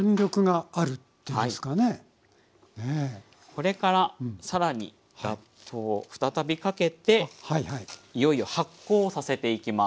これから更にラップを再びかけていよいよ発酵させていきます。